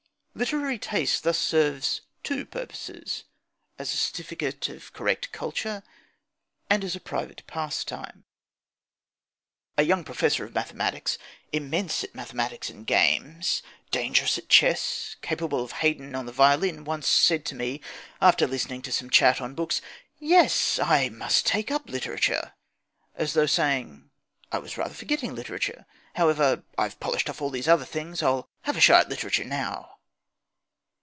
Literary taste thus serves two purposes: as a certificate of correct culture and as a private pastime. A young professor of mathematics, immense at mathematics and games, dangerous at chess, capable of Haydn on the violin, once said to me, after listening to some chat on books, "Yes, I must take up literature." As though saying: "I was rather forgetting literature. However, I've polished off all these other things. I'll have a shy at literature now."